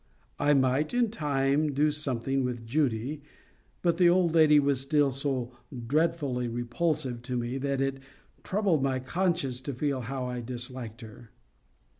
I might in time do something with Judy, but the old lady was still so dreadfully repulsive to me that it troubled my conscience to feel how I disliked her.